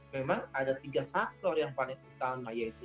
memang ada tiga faktor yang paling utama yaitu